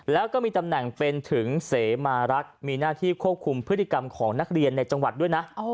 แล้วก็มีตำแหน่งเป็นถึงเสมารักษ์มีหน้าที่ควบคุมพฤติกรรมของนักเรียนในจังหวัดด้วยนะ